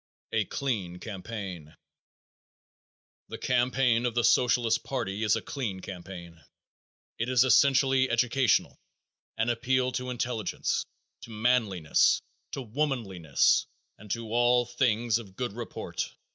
A Clean Campaign. The campaign of the Socialist party is a clean campaign; it is essentially educational; an appeal to intelligence, to manliness, to womanliness, and to all things of good report.